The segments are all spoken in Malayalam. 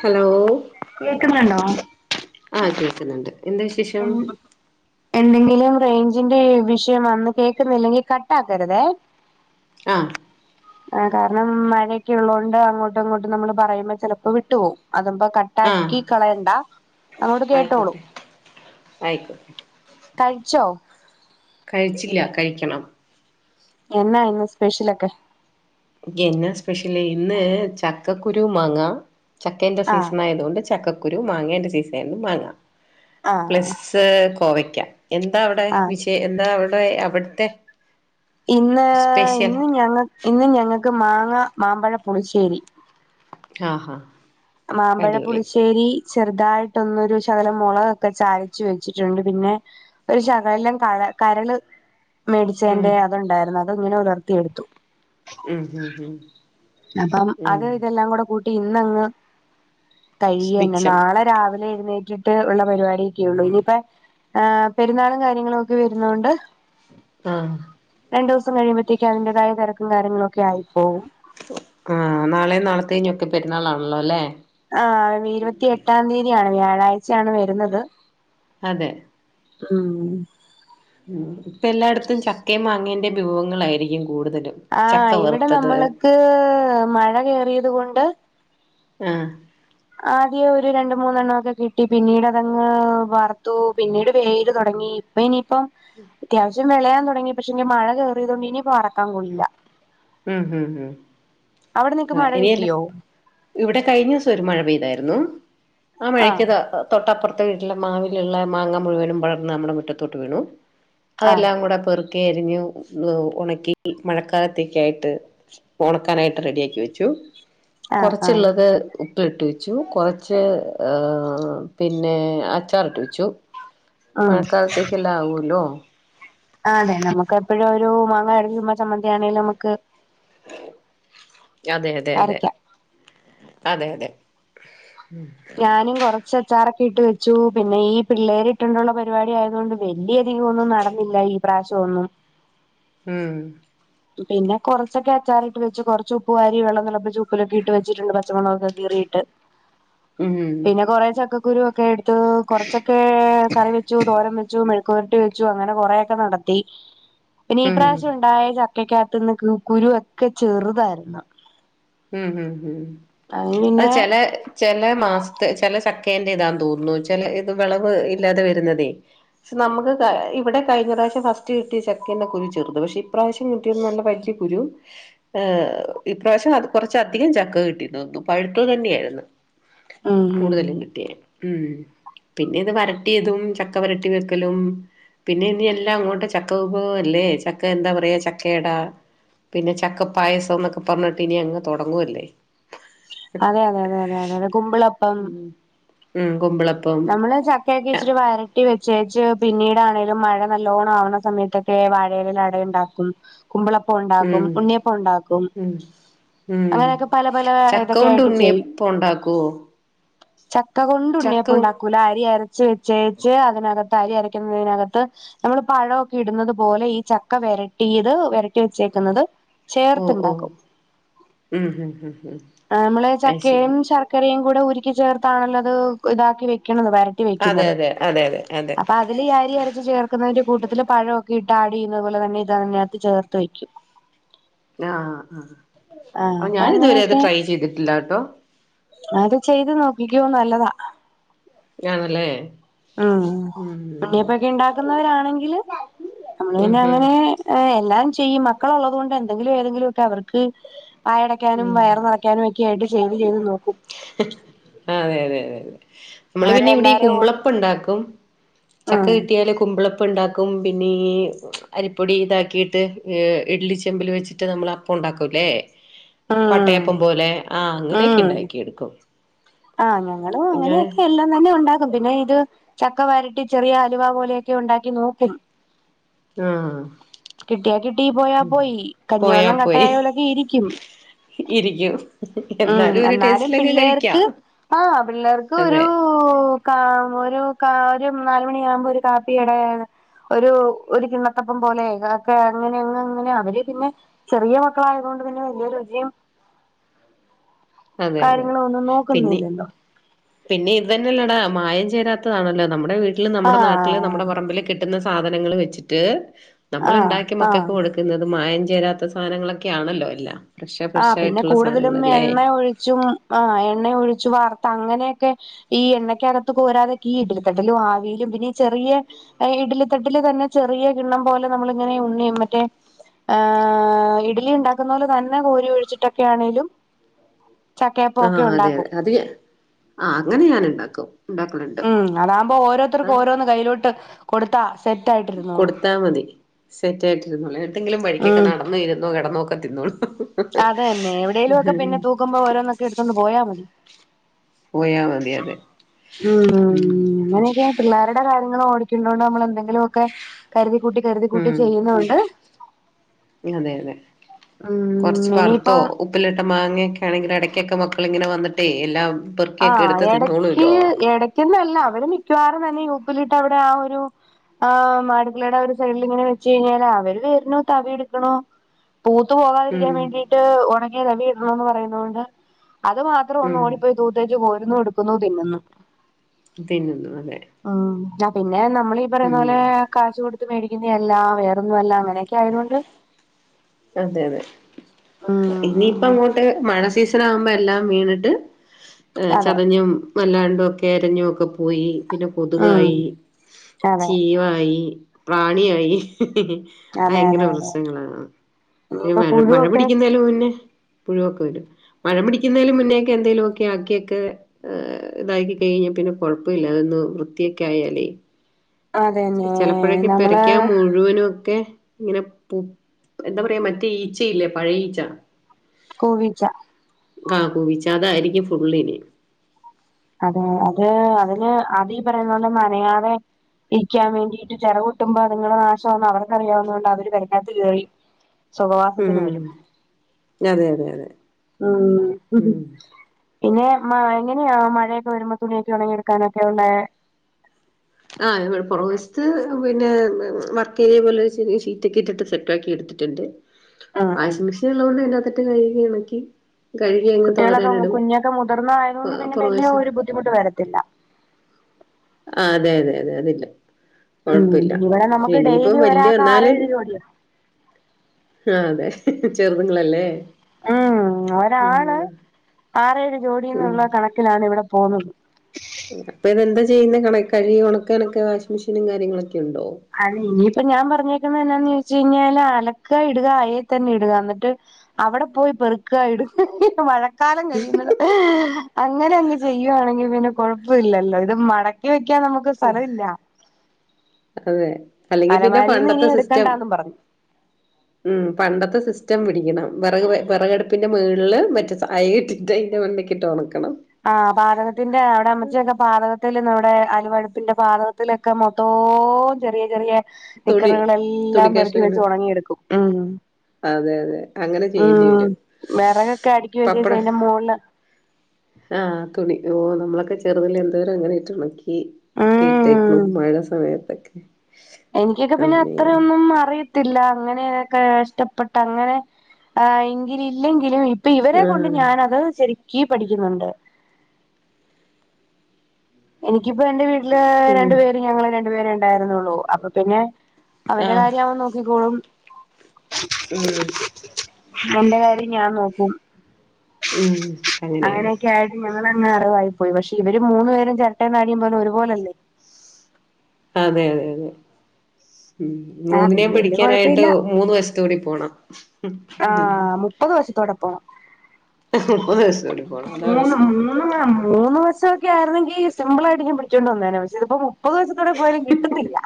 ഹലോ കേക്ക്ന്ന്ണ്ടോ ആഹ് കേൾക്കുന്നുണ്ട് എന്താ വിശേഷം [inaudible] എന്തെങ്കിലും റേഞ്ചിന്റെ വിഷയം വന്ന് കേൾക്കുന്നില്ലെങ്കിൽ കട്ട് ആക്കരുതേ ആഹ് ആ കാരണം മഴയൊക്കെ ഉള്ളതോണ്ട് അങ്ങോട്ടും ഇങ്ങോട്ടും നമ്മള് പറയുമ്പോ ചെലപ്പോ വിട്ടു പോവും അതുകൊണ്ട ക ആ ട്ടാക്കി കളയണ്ട അങ്ങോട്ട് കേട്ടോളൂ ആയിക്കോട്ടെ ആയിക്കോട്ടെ കഴിച്ചോ കഴിച്ചില്ല കഴിക്കണം എന്നായിന്ന് സ്പെഷ്യലൊക്കെ എന്ന സ്പെഷ്യല് ഇന്ന് ചക്കകുരു മാങ്ങ ചക്കേൻ്റെ ആഹ് സീസൺ ആയതു കൊണ്ട് ചക്കക്കുരു മാങ്ങേന്റെ സീസൺ ആയോണ്ട് മാങ്ങ ആഹ് പ്ലസ് ത് കോവയ്ക്ക എന്താ അവിടെ ആഹ് വിഷയ എന്താ അവിടെ അവിടുത്തെ ഇന്ന് സ്പെഷ്യൽ ഇന്ന് ഞങ്ങക്ക് ഇന്ന് ഞങ്ങക്ക് മാങ്ങ മാമ്പഴ പുളിശ്ശേരി ആഹ് ഹ മാമ്പഴ പുളിശ്ശേരി ചെറുതായിട്ടൊന്നൊരു ശകലം മുളകൊക്കെ ചാലിച് വെച്ചിട്ടുണ്ട് പിന്നെ ഒരു ശകലം കര കരള് ഉം മേടിച്ചതിന്റെ അതൊണ്ടായിരുന്നു അത് ഇങ്ങനെ ഉലർത്തിയെടുത്തു ഉം ഉം ഉം അതാണ് ഉം അത് ഇതെല്ലാം കൂടെ കൂട്ടി ഇന്നങ്ങ് കഴിയന്നെ ഭിക്ഷം നാളെ രാവിലെ എഴുന്നേറ്റ് ട്ട് ഉള്ള പരിപാടിയൊക്കെ ഉള്ളൂ ഇനിയിപ്പോ ഏ പെരുന്നാളും കാര്യങ്ങളും ഒക്കെ വരുന്നൊണ്ട് ആഹ് രണ്ടൂസം കഴിയുമ്പഴത്തേക്ക് അതിന്റേതായ തെരക്കും കാര്യങ്ങളൊക്ക്യായി പോവും ആഹ് നാളെയും നാളത്തെഞ്ഞൊക്കെ പെര്ന്നാളാണല്ലോ ല്ലേ. ആഹ് ഇരുപത്തിഎട്ടാം തീയതിയാണ് വ്യാഴാഴ്ചയാണ് വെരുന്നത്. അതെ ഉം ഉം ഇപ്പ എല്ലാട്ത്തും ചക്കേം മാങ്ങേന്റെ വിഭവങ്ങളായിരിക്കും കൂടുതലും. ചക്ക ആഹ് ഇവടെ വറുത്തത് നമ്മള്ക്ക് മഴകേറിയത് കൊണ്ട് ആഹ് ആദ്യൊര് രണ്ട് മൂന്നെണ്ണൊക്കെ കിട്ടി പിന്നീട് അതങ്ങ് വറ്ത്തു പിന്നീട് വേര് തൊടങ്ങി പ്പനിയിപ്പം അത്യാവശ്യം വെളയാൻ തൊടങ്ങി പക്ഷെ ഞ് മഴ കേറിയതോണ്ട് ഇനി പറക്കാൻ കൊള്ളില്ല. ഉം ഉം ളും അവിടെ നിങ്ങക്ക് അഹ് മഴ ഇനിയെല്ലം കിട്ടിയോ ഇവടെ കഴിഞ്ഞിസം ഒരു മഴ പെയ്തായിരുന്നു ആ ആഹ് മഴക്കത് അഹ് തൊട്ടപ്പർത്തെ വീട്ടിലെ മാവില്ള്ള മാങ്ങ മുഴുവനും വളർന്ന് നമ്മടെ മുറ്റത്തോട്ട് വീണു. ആഹ് അതെല്ലാം കൂടെ പെറ്ക്കി അരിഞ്ഞ് എഹ് ഒണക്കി മഴക്കാലത്തെ ക്ക്യായിട്ട് ഒണക്കാനായിട്ട് റെഡ്യാക്കി വെച്ചു ആഹ് ആഹ് കൊറച്ച്ള്ളത് ത്ത്ട്ട് വെച്ചു കൊറച്ച് ഏഹ് പിന്നെ അച്ചാർട്ട് വെച്ചു ഉം മഴക്കാലത്തേക്കെല്ലാവോല്ലോ. ആന്നെ നമക്ക് എപ്പഴൊരു മാങ്ങ അരിഞ്ഞ് ചുമ്മ ചമ്മന്ത്യാണെലും അമ്മക്ക് അതെ യതെ യതെ അരക്കാം അതെ യതെ ഉം ഞാനും കൊറച്ച് അച്ചാറൊക്കെ ഇട്ട് വെച്ചു പിന്നെ ഈ പിള്ളേരിട്ടൊണ്ടുള്ള പരിവാട്യായതൊണ്ട് വെല്ല്യധികൊന്നും നടന്നില്ല ഈ പ്രാവശ്യൊന്നും ഉം പിന്നെ കൊറച്ചൊക്കെ അച്ചാറിട്ട് വെച്ച് കൊറച്ച് ഉപ്പുവാരി വെള്ളം തളപ്പിച്ചു ഉപ്പിലൊക്കെ ഇട്ട് വച്ചിട്ടുണ്ട് പച്ചമൊളകൊക്കെ കീറിയിട്ട് ഉം പിന്നെ കുറേ ചക്ക കുരു ഒക്കെ എട്ത്തു കൊറച്ചൊക്കെ കറി വെച്ചു, തോരം വെച്ചു, മെഴുക്കുവരട്ടി വെച്ചു, അങ്ങനെ കൊറെക്കെ നടത്തി ഉ [unintelligible] പിന്നെ ഈ പ്രാവശ്യം ഉണ്ടായ ചക്കക്കകത്ത്ന്ന് ക്ക് കുരൊക്കെ ചെറ്തായിര്ന്ന്. ഉം ഉം ഉം അത് ചെലെ ചെലെ മാസത്തെ ചെലെ ചക്കേന്റെ ഇതാന്ന് തോന്നുന്നു ചെലെ ഇത് വളവ് ഇല്ലാതെ വെര്ന്നതേ പക്ഷെ നമക്ക് ക ഇവടെ കഴിഞ്ഞ പ്രാവശ്യം ഫസ്റ്റ് കിട്ടിയ ചക്കൻ്റെ കുരു ചെറ്ത് പക്ഷെ ഇ പ്രാവശ്യം കിട്ടിയത് നല്ല വെല്ല്യെ കുരു എഹ് ഇപ്രാവശ്യം അത് കൊറച്ചധികം ചക്ക കിട്ടിന്ന് തോന്നുന്നു പഴുത്ത തെന്ന്യായിരുന്നു. ഉം ഉം കൂടുതലും കിട്ടിയെ ഉം പിന്നെ ഇത് വരട്ടിയതും ചക്കവരട്ടി വെക്കലും പിന്നെ ഇഞ് എല്ലാം അങ്ങോട്ട് ചക്ക വിഭവോല്ലേ ചക്ക എന്താ പറയാ ചക്കേടാ പിന്നെ ചക്കപ്പായസം എന്നൊക്കെ പർഞ്ഞിട്ട് ഇനി അങ്ങ് തൊടങ്ങുവല്ലേ അതെ യതെ യ്തെ യതെ യതെ യതെ കുമ്പളപ്പം ഉം കുമ്പള നമ്മള് ച ക്കാക്കി വെച്ചിട്ട് വരട്ടി വെച്ചേച്ച് പിന്നീടാണേലും മഴ നല്ലോണാവ്ണ സമയത്തൊക്കെ വാഴയിലേല് അടേണ്ടാ ക്കും കുമ്പളപ്പോണ്ടാക്കും ഉം ഉണ്ണിയപ്പോണ്ടാക്കും ഉം ഉം അങ്ങനെക്കെ പല പല ചക്ക കൊണ്ട് ഇതൊക്കയിട്ട് ചെയ്യും. ഉണ്ണിയപ്പം ഉണ്ടാക്കുവോ ചക്ക കൊണ്ടുണിയപ് ചക്ക [unintelligible] അരി അരച്ച് വെച്ചേച്ച് അതിനകത്ത് അരി അരക്കുന്നതിനകത്ത് നമ്മൾ പഴമൊക്കെ ഇടുന്നത് പോലെ ഈ ചക്ക വരട്ടിയത് വരട്ടി വെച്ചേക്കുന്നത് ഓഹ് ഓഹ് ചേർത്തുണ്ടാക്കും ഉം ഉം ഉം ഉം നമ്മള് അത് ചക്കയും ശരി ശർക്കരയും കൂടെ ഉരുക്കി ചേർത്താണല്ലോ അത് ഇതാക്കി വെക്കണുന്നത് വര- അതെ അതെ അതെ അതെ അതെ അതില് ആരി അരച്ചു ചേർക്കതിന്റെ കൂട്ടത്തില് പഴമൊക്കെ ഇട്ട് ആഡ് ചെയ്യുന്നതു പോലെ തന്നെ ഇതതിനകത്ത് ചേർത്ത് വയ്ക്കും ന ആഹ് ആഹ് അപ്പ അപ്പൊ ഞാനിതുവരെ അത് അങ്ങനെയൊക്കെ ട്രൈ ചെയ്തിട്ടില്ല കേട്ടോ അത് ചെയ്ത് നോക്കിക്കോ നല്ലതാ ആ ണല്ലേ ഉം ഉണ്ണിയപ്പൊക്കെ ഉണ്ടാക്കുന്നവരാണെങ്കിൽ നമ്മള് ഉം പിന്നെ ഉം അങ്ങനെ ഏഹ് എല്ലാം ചെയ്യും മക്കള ഉള്ളത് കൊണ്ട് എന്തെങ്കിലും ഏതെങ്കിലുമ ഒക്കെ അവർക്ക് വായടക്കാനും ഉം വയർ നറയ്ക്ക ക്കാനൊക്കെ ആയിട്ട് ചെയ്ത് ചെയ്ത് നോക്കും ആഹ് അതെ അതെ അതെതെ നമ്മള് അവരെ പിന്നെ ഇവിടെഈ എല്ലാരേം ഓടി കുമ്പളപ്പ ഉണ്ടാക്കും ചക്ക ഉം കിട്ടിയല് കുമ്പളപ്പം അപ്പ ഉണ്ടാക്കും പിന്നെ അരിപ്പൊടി ഇതാക്കിയിട്ട് ഇഡ്ലി ചെമ്പിൽ വെച്ചിട്ട് നമ്മൾ അപ്പം പ്പ ഉണ്ടാക്കൂല്ലേ ഉം പട്ടയപ്പം പോലെ ആഹ് അങ്ങനെയൊക്കെ ഉം ണ്ടായി ആഹ് ഞങ്ങളും ഞാന് അങ്ങനെയൊക്കെല്ല എല്ല തന്നെ ഉണ്ടാക്കും പിന്നെ ഇത് ചക്കവരട്ടി ചെറിയ അലുവ പോലെയൊക്കെ ഉണ്ടാക്കി നോക്കും ആഹ് കിട്ടിയാ കിട്ടി പോയാ പോയി കഞ്ഞിവെള്ളം കട്ടയായ പോലൊക്കെ ഇരിക്കും ഇരികും ഉം എന്നാലും പിള്ളേർക്ക് ആഹ് പിള്ളേർക്ക് അതെ ഒരു കാ ഒരു കാ ഒരു നാലുമണിയ ആകുമ്പോ ഒരു കാപ്പി ഇടാണ് ഒരു ഒരു കിണത്തപ്പം പോലെ ഒക്കെ അങ്ങനെങ്ങ അങ്ങനെ അവര് പിന്നെ ചെറിയ മക്കളായതു കൊണ്ട് തന്നെ വലിയ രുചിയും അതെ അതെ കാര്യങ്ങളും ഒന്നും പിന്നെ നോക്കുന്നില്ലല്ലോ പിന്നെ ഇത് തന്നെയല്ലേടാ മായം ചേരാത്തതാണല്ലോ നമ്മുടെ വീട്ടില് നമ്മുടെ നാട്ടില് ആഹ് നമ്മുടെ പറമ്പില് കിട് ട്ടുന്ന സാധനങ്ങൾ വെച്ചിട്ട് നമ്മൾ ആഹ് ഉണ്ടാക്കി ആഹ് മക്കക്ക് കൊടുക്കുന്നത് മായം ചേരാത്ത മ സാധനങ്ങളൊക്കെ ആണല്ലോ എല്ലാ ആഹ് പിന്നെ കൂടുതലും എണ്ണ ഒഴിച്ചും ആഹ് എണ്ണ ഒഴിച്ചു വാർത്ത അങ്ങനെയൊക്കെ ഈ എണ്ണയ്ക്കറത്ത് പോരാതെക്കെ ഈ ഇട്ലത്തട്ടിലും ആവിയിലും പിന്നെഈ ചെറിയ ഇഡലിത്തട്ടില് തന്നെ ചെറിയ കിണ്ണം പോലെ നമ്മളിങ്ങനെ ഉണ്ണിയും മറ്റേ ഏഹ് ഇഡ്ലി ഉണ്ടാക്കുന്ന പോലെ തന്നെ കോരി ഒഴിച്ചിട്ടൊക്കൊണേലും ചക്കയപ്പക്കെ ഉണ്ടാക്കും അതികെ [unintelligible] ആഹ് അങ്ങനെ ഞാാനണ്ടാക്കും ഉം അതാവുമ്പോ ഓരോരുത്തർക്കും ഓരോന്ന് കയ്യിലോട്ട് കൊടുത്താ സെറ്റ് ആയിട്ടിരുന്നുള്ളൂ ആഹ് മതി സെറ്റ് ആയിട്ടിരുന്നോള്ളൂ എന്തെങ്കിലും വഴിക്കൊക്കെ ഉം നടന്നോ ഇരുന്നോ കിടന്നോക്കെ തിന്നോളൂ അതന്നെ എവിടേലും ഒക്കെ പിന്നെ തൂക്കുമ്പോ ഓരോന്നൊക്കെ എടുത്തൊണ്ട് പോയാ മതി പോയാ മതി അതെ ഉം പിള്ളേരുടെ കാര്യങ്ങൾ ഓടിണ്ടോണ്ട് നമ്മൾ എന്തെങ്കിലുക്കെ കരുതി കൂട്ടി കരുതി ഉം അതെ അതെ കൊറച്ച് ഉം വറുത്തോ ഇനിയിപ്പം ഉപ്പിലിട്ട് മാങ്ങയൊക്കെ ആണെങ്കിൽ ഇടയ്ക്കൊക്കെ മക്കളിങ്ങനെ വന്നിട്ടേ എല്ലാം പെറുക്കിയൊക്കെ ആഹ് എടുത്ത് ഇടക്ക് തിന്നോളൂല്ലോ ഇടക്ക്ന്ന അല്ല അവര് മിക്കവാറും തന്നെ ഉപ്പിലിട്ട് അവിടെ ആഹ് ഒരു ആഹ് മാടുകളുടെ ഒരു സൈഡിൽങ്ങനെ വെച്ച കഴിഞ്ഞാല് അവര് വരണോ തവി എടുക്കണോ പൂത്ത പോകാതിരിക്കാൻ ഉം വേണ്ടിട്ട് ഉണങ്ങിയ തവി ഇടണോന്ന് പറയുന്നത് കൊണ്ട് അത് മാത്രം ഒന്ന് ഉം ഓടിപ്പോയി ഇട്ടേച്ചു പോരുന്നു എടുക്കുന്നു തിന്നുന്നു. തിന്നുന്നു അതെ ഉം ആഹ് പിന്നെ നമ്മളീ പറയുന്ന ഉം പോലെ കാശുകൊടുത്ത് മേടിക്കുന്ന അല്ല വേറൊന്നും അല്ല അ നൊക്കെ ആയതൊണ്ട് അതെ അതെ ഇനിപ്പ അങ്ങോ ട്ട് മഴ സീസണാകുമ്പോ എല്ലാം വീണിട്ട് ഏഹ് അതെ ചതഞ്ഞും വല്ലാണ്ടൊക്കെ അരഞ്ഞുവോക്കെ പോയി പിന്നെ ഉം കൊതുകായി അതെ ചീവായി പ്രാണിയായി അതെ ഭയങ്കര അതെ അതെ പ്രശ്നങ്ങളാണ് ഇനിയിപ്പ മഴ മഴ പുഴുവൊക്കെ പിടിക്കുന്നേലും മുന്നേ പുഴുവൊക്കെ വരും മഴം പിടിക്കുന്നേലും മുന്നേക്കെ എന്തെലുവോക്കെ ആക്കിയൊക്കെ ഏഹ് ഇതാക്കി കഴിഞ്ഞാ പിന്നെ കൊഴപ്പവില്ല ഒന്ന് വൃത്തിയൊക്കെ ആയാലേ അതന്നെ ചെലപ്പോഴൊക്കെ നമ്മള് പെരയ്ക്കാകം മുഴുവനു ക്കെ ഇങ്ങനെ പു എന്താ പറയാ മറ്റേ ഈച്ച ഇല്ലേ പഴേ ഈച്ച കുവിച്ച കാ കുവിച്ച അതാരിക്കും ഫുള്ളിനി അതെ അത് അതിന് അതി പറയുന്നപോലെ നനയാതെ ഇരിക്കാൻ വേണ്ടിട്ട് ചെറകൊട്ടുമ്പോ അത്ങ്ങടെ നാശാന്ന് അവർക്ക് അറിയാന്നകൊണ്ട് അവര് പെരക്കാത്ത് കേറി [inaudible] സുഖവാസത്തിന് ഉം വരും അതെ അതെ അതെ ഉം ഉം പിന്നെ മ എങ്ങനെയാ മഴയൊക്കെ വരുമ്പോ തുണിയൊക്കെ ഒണങ്ങിയെടുക്കാനൊക്കെ ഒള്ളെ ആഹ് ഇവടെ പൊറക് വശത്ത് പിന്നെ വർക്ക് ഏരിയ പോലെ ഷീറ്റക്കെ ഇട്ടിട്ട് സെറ്റ് ആക്കി എടുത്തിട്ട്ണ്ട് ഉം ഉം വാഷിംഗ് മെഷീൻ ഉള്ളതൊണ്ട് അതിന്റാത്തിട്ട് കഴികി ഒണക്കി കുട്ടികളൊക്കെ കുഞ്ഞോക്കെ മുതിർന്ന ആയതൊണ്ട് പിന്നെ വല്യ പ്രവേശം ഒരു ബുദ്ധിമുട്ട് വരത്തില്ല. ആഹ് അതെ അതെ അതെ അതില്ല ഉം കൊഴപ്പില്ല ഇവിടെ പഷേ നമുക്ക് ഇനിപ്പ ഡെയിലി വല്യ ഒരാൾക്ക് എന്നാലും ആറേഴ് ജോടിയാ ആഹ് അതെ ചെറുത്ങ്ങളല്ലേ ഉം ഒരാള് ആറെഴ് ഉം. ജോഡിന്നുള്ള കണക്കിലാണ് ഇവടെ പോന്നത് അപ്പ ഇതെന്താ ചെയ്യുന്നെ കണ കഴുകി ഒണക്കനെക്കെ വാഷിംഗ് മെഷീനും കാര്യങ്ങളൊക്കെ ഒണ്ടോ [unintelligible] ഇനിപ്പ ഞാൻ പറഞ്ഞേക്കുന്ന എന്നാന്ന് ചോയിച്ച് കഴിഞ്ഞാല് അലക്ക ഇടുക അയെ തന്നെ ഇടുക എന്നിട്ട് അവടെ പോയി പെറുക്കാ ഇട് മഴ ക്കാലം കഴിയുന്നത് അങ്ങനെ അങ്ങ് ചെയ്യുവാണെങ്കി പിന്നെ കൊ പ്പ ഇല്ലല്ലോ ഇത് മടക്കി വെക്കാൻ നമുക്ക് സ്ഥലവില്ല അതെ അല്ലെങ്കി പിന്നെ അലമാരിന്ന് പണ്ടത്തെ ഇനി സിസ്റ്റം എടുക്കണ്ടാന്നും പറഞ്ഞു ഉം പണ്ടത്തെ സിസ്റ്റം പിടിക്കണം വെറ വെറകടുപ്പിന്റെ മേളില് മറ്റേ അയ കെട്ടിട്ട് അയിന്റെ മണ്ടക്കിട്ട് ഉണക്കണം. ആഹ് പാദകത്തിന്റെ അവടെ അമ്മച്ചിയൊക്കെ പാദകത്തേല് നമ്മടെ അലുവടുപ്പിന്റെ പാദക ത്തിലൊക്കെ മൊത്തോ ചെറിയെ ചെറിയെ തുണി നിക്കറുകളെല്ലാം തുണി പെറുക്കിവെച്ച് കഷ്ണങ്ങൾ ഒണങ്ങിയെടുക്കും ഉം അതെ അതെ അങ്ങനെ ചെയ്യേണ്ടി ഉം വരും വെറകൊക്കെ പപ്പടം അടക്കിവെച്ചേചയിന്റെ മോളില് ആഹ് തുണി ഓഹ് നമ്മളൊക്കെ ചെറുതില് എന്തോര് അങ്ങനിട്ട് ഒണക്കി ക്കി ഉം ഇട്ടേയ്ക്ക്ണു മഴസമയത്തക്കെ എനിക്കെക്കെ പിന്നെ അത്രയൊന്നും അറി ത്തില്ല അങ്ങനെക്കെ കഷ്ടപ്പെട്ട് അങ്ങനെ ഏഹ് എങ്കില് ഇല്ലങ്കിലും ഇപ്പ ഇവരെകൊണ്ട് ആഹ് ഞാനത് ശെരിക്ക്‌ പഠിക്ക്‌ന്ന്ണ്ട് എനിക്കിപ്പംഎന്റെവീട്ടില് ഉം രണ്ടുപേരും ഞങ്ങള് രണ്ടുപേരഉണ്ടായിരുന്നൊള്ളു അപ്പൊപിന്നെ ആഹ് അവന്റെകാര്യംഅവൻനോക്കിക്കോളും ഉം എന്റെകാര്യംഞാൻനോക്കും ഉം അങ്ങനെയാണ് അങ്ങനെയൊക്കെആയി ഞങ്ങളങ് അറിവായിപ്പോയി പക്ഷെ ഇവര്മൂന്ന്പേരും ചെരട്ടേനാടിയംപോലെ ഒരുപോലല്ലേ അതെ അതെ അതെ ഉ ആഹ് പിന്നെ വല്യ മൂന്നിനെയുംപിടിക്കാനായിട്ട് കുഴപ്പമില്ല മൂന്ന് വശ ത്തൂടിപോണം പ്പതുവഷത്തോടെപോണം മുപ്പത് വയസോടിപോണം അതാപ്രശ്നം ങ്ങങ്ങുങ്ങ മൂന്ന് വശക്കെആയിന്നെങ്കി സിമ്പിളായിട്ട്ക്കി പിടിച്ചോണ്ട് വന്നേനേ പക്ഷെഇതിപ്പോ മു പ്പത് വശത്തോടെപോയാലുംകിട്ടുന്നില്ല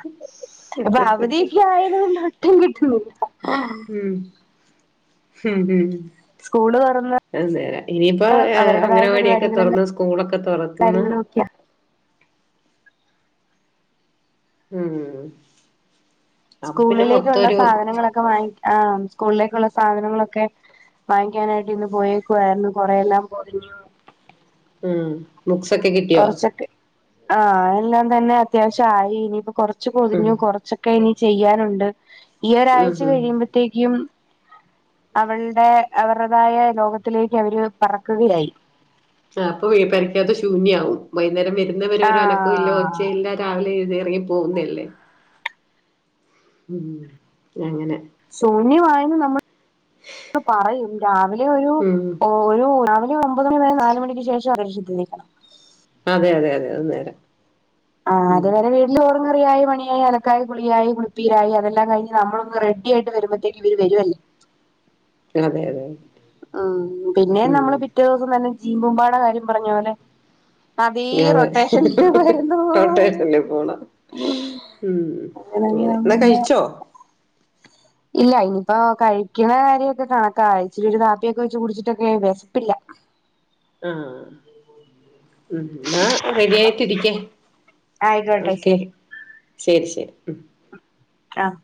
അപ്പൊഅവധിയിക്കെആയത് കൊണ്ട് ഒട്ടുംകിട്ടുന്നില്ല ഉം ഉം ഉം സ്കൂള്തുറന്ന് [unintelligible] ഇനിയിപ്പോ പരിപാടികളും അംഗനവാടിയൊക്കെതുറന്ന് സ്കൂളൊക്കെതൊറക്കുന്ന കാര്യങ്ങളും ഒക്കെയാ ഉം അപ്പൊ പിന്നെ മൊത്തം സ്കൂളിലേക്കുള്ള ഒരു സാധനങ്ങളൊക്കെ വാങ്ങി ആഹ് സ്കൂളിലേക്കുള്ള സാധനങ്ങളൊക്കെ വാങ്ങിക്കാനായിട്ട് ഇന്ന് പോയേക്കുവായിരുന്നു കൊറെഎല്ലാം പൊതിഞ്ഞു ഉം ബുക്സ് ഒക്കെ കി കൊറച്ചൊക്കെ ആഹ് എല്ലാംതന്നെ അത്യാവശ്യ ആയി ഇനിയിപ്പംകൊറച്ച് ഉം പൊതിഞ്ഞു കൊറച്ചൊ ക്കെ ഇനിചെയ്യാനുണ്ട് ഉം ഈഒരാഴ്ച ഉം കഴിയുമ്പഴ്ത്തേക്ക്യും അവൾടെ അവരതായേ ലോകത്തിലേക്ക് അവര് പറക്കുകയായി ആഹ് അപ്പൊ വീ പരിക്കാത്ത ശൂന്യാവും വൈകുന്നേരം വെരുന്നവെരേ ഒരന ഓ ഇല്ല ആഹ് ഒച്ചയില്ല രാവിലെ എഴുന്ന് ഇറങ്ങി പോകുന്നല്ലേ ഉം അങ്ങനെ ശൂന്യമായെന്ന്നമ്മൾ പറയും രാവിലെ ഒരു ഉം ഓ ഒരു രാവിലെ ഒമ്പത് മണി മുതൽ നാല് മണിക്ക് ശേഷം [unintelligible] അതെ അതെ അതെ അത് നേരാം ആഹ് അത് വരെ വീ ചോറും കറിയായി പണിയായി അലക്കായികുളിയായി കുളിപ്പീരായി അതല്ലാകഴിഞ് നമ്മളൊന്ന് റെഡിആയിട്ട് വരുമ്പോഴ്ത്തേക്ക് ഇവര് വെരുവായി അതെ അതെ ഉം പിന്നെ ഉം നമ്മള് പിറ്റേ ദിവസം തന്നെ ജീമ്പൂമ്പാടെ കാര്യം പറഞ്ഞപോലെ അതെ റൊട്ടേഷൻ വരുന്നുവോ റൊട്ടേഷനില് പോണം ഉം ഇങ്ങനെ ന്നാകഴിച്ചോ ഇല്ല ഇനിയിപ്പോ കഴിക്ക്ണ കാര്യൊക്കെ കണക്ക അയ്ച്ചിരി ഒരുകാപ്പിയൊക്കെ വെച്ച് കുടിച്ചിട്ടൊക്കെ വെശ്പ്പില്ല ആഹ് ഉ ന്നാറെഡിയായിട്ടിരിക്ക് ആയിക്കോട്ടെ ഓക്കെ ശരി ശെരി ശെരി ഉം ആഹ്